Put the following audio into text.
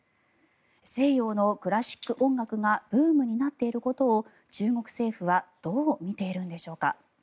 西洋のクラシック音楽がブームになっていることを中国政府はどう見ているのでしょうか。